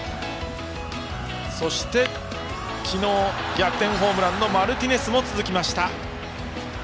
そして昨日逆転ホームランのマルティネスも続きました。